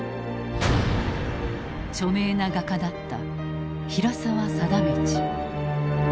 著名な画家だった平沢貞通。